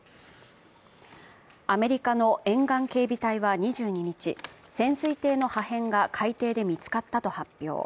アメリカの沿岸警備隊は２２日、潜水艇の破片が海底で見つかったと発表。